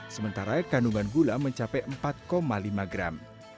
sementara kandungan gula mencapai empat lima gram